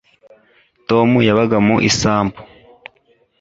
tom yabaga mu isambu